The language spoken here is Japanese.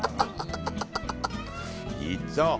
いっちゃおう。